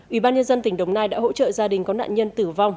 ủy ban nhân dân tỉnh đồng nai đã hỗ trợ gia đình có nạn nhân tử vong